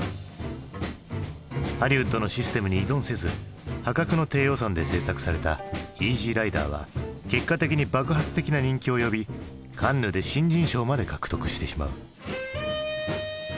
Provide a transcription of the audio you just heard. ハリウッドのシステムに依存せず破格の低予算で製作された「イージー★ライダー」は結果的に爆発的な人気を呼びカンヌで新人賞まで獲得してしまう。